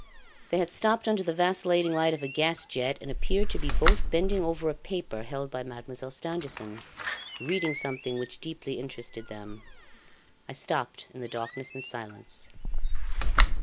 They had stopped under the vacillating light of a gas jet and appeared to be both bending over a paper held by Mademoiselle Stangerson, reading something which deeply interested them. I stopped in the darkness and silence.